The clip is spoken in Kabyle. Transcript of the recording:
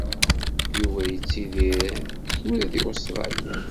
Yuba yettidir tura deg Ustṛalya.